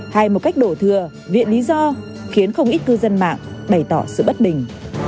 hay một cách đổ thừa viện lý do khiến không ít cư dân mạng bày tỏ sự bất bình